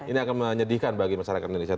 ini akan menyedihkan bagi masyarakat indonesia